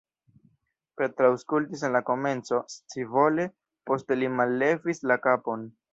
Petro aŭskultis en la komenco scivole, poste li mallevis la kapon.